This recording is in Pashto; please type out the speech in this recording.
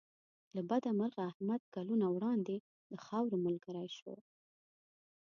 له بده مرغه احمد کلونه وړاندې د خاورو ملګری شو.